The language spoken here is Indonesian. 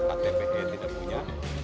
atau tpd tidak punya